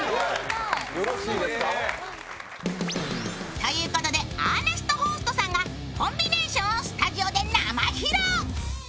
ということで、アーネスト・ホーストさんが、コンビネーションをスタジオで生披露。